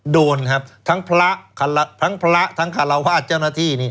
โดนครับทั้งพระทั้งคาราวาสเจ้าหน้าที่